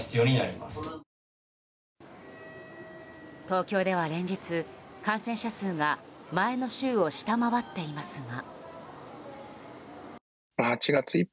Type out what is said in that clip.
東京では連日、感染者数が前の週を下回っていますが。